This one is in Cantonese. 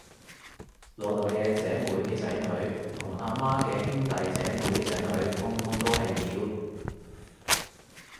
老豆嘅姐妹嘅仔女，同阿媽嘅兄弟姐妹嘅仔女，通通都係表